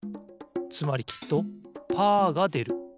つまりきっとパーがでる。